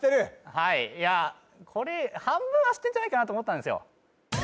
はいいやこれ半分は知ってんじゃないかなと思ったんですよ